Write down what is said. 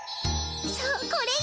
そうこれよ！